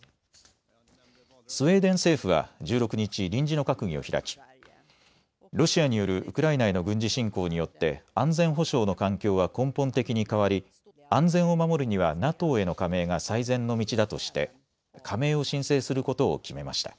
スウェーデン政府は１６日、臨時の閣議を開きロシアによるウクライナへの軍事侵攻によって安全保障の環境は根本的に変わり安全を守るにはＮＡＴＯへの加盟が最善の道だとして加盟を申請することを決めました。